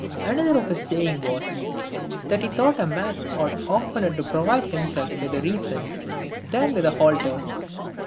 Another of his sayings was, " that he thought a man ought oftener to provide himself with a reason than with a halter."